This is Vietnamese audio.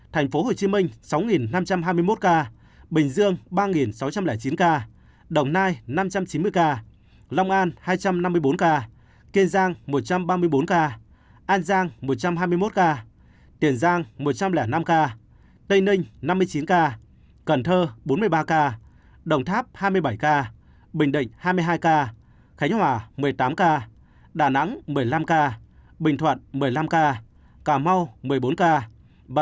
thành phố hồ chí minh sáu năm trăm hai mươi một ca bình dương ba sáu trăm linh chín ca đồng nai năm trăm chín mươi ca long an hai trăm năm mươi bốn ca kiên giang một trăm ba mươi bốn ca an giang một trăm hai mươi một ca tiền giang một trăm linh năm ca tây ninh năm mươi chín ca cần thơ bốn mươi ba ca đồng tháp hai mươi bảy ca bình định hai mươi hai ca khánh hòa một mươi tám ca đà nẵng một mươi năm ca bình thuận một mươi năm ca cà mau một mươi bốn ca